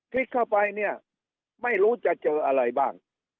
พลิกเข้าไปเนี่ยไม่รู้จะเจออะไรบ้าง